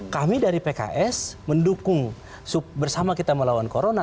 kami dari pks mendukung bersama kita melawan corona